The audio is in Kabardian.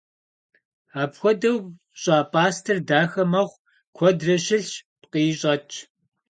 Апхуэдэу щӏа пӏастэр дахэ мэхъу, куэдрэ щылъщ, пкъыи щӏэтщ.